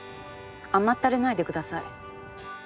甘ったれないでください。